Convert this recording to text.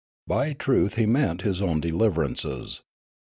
By truth he meant his own deliverances.